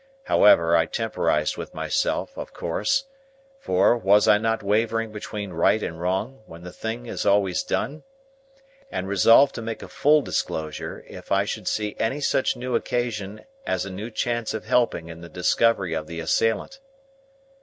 However, I temporized with myself, of course—for, was I not wavering between right and wrong, when the thing is always done?—and resolved to make a full disclosure if I should see any such new occasion as a new chance of helping in the discovery of the assailant.